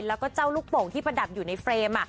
แล้วก็เจ้าลูกโป่งที่ประดับอยู่ในเฟรม